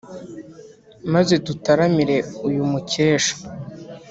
Maze dutaramire uyu mukesha!